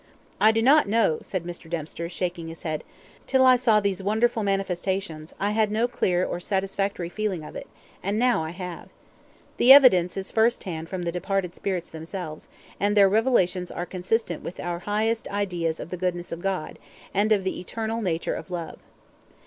"I do not know," said Mr. Dempster, shaking his head. "Till I saw these wonderful manifestations, I had no clear or satisfactory feeling of it, and now I have. The evidence is first hand from the departed spirits themselves, and their revelations are consistent with our highest ideas of the goodness of God, and of the eternal nature of love."